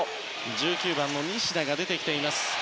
１９番の西田が出てきています。